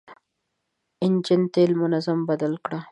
انجن تېل منظم بدل کړه.